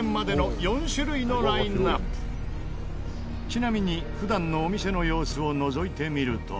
ちなみに普段のお店の様子をのぞいてみると。